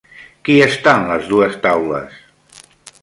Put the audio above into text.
Qui està en les dues taules?